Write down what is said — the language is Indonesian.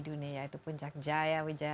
dunia yaitu puncak jaya wijaya